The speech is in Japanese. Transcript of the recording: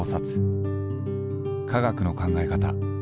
科学の考え方